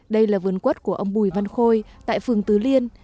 đây là vườn quất của ông bùi văn khôi tại phường tứ liên